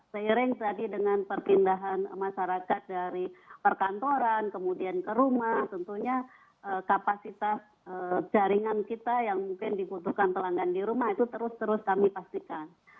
seiring tadi dengan perpindahan masyarakat dari perkantoran kemudian ke rumah tentunya kapasitas jaringan kita yang mungkin dibutuhkan pelanggan di rumah itu terus terus kami pastikan